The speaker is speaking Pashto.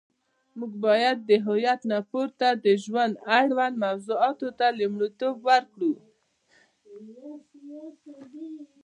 موږ باید د هویت نه پورته د ژوند اړوند موضوعاتو ته لومړیتوب ورکړو.